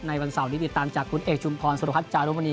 วันเสาร์นี้ติดตามจากคุณเอกชุมพรสุรพัฒนจารุมณี